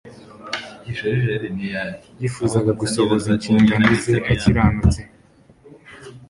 yifuzaga gusohoza inshingano ze akiranutse